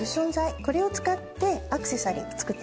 これを使ってアクセサリー作っていきたいと思います。